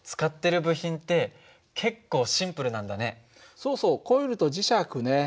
そうそうコイルと磁石ね。